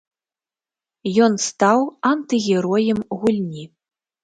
Ён стаў антыгероем гульні.